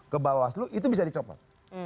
ke bawah seluruh itu bisa dicopot